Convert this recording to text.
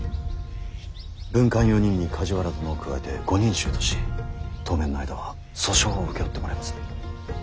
文官４人に梶原殿を加えて５人衆とし当面の間は訴訟を請け負ってもらいます。